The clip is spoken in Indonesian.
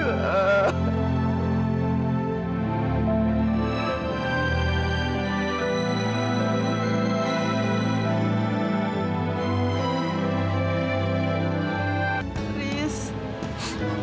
mereka sudah selesai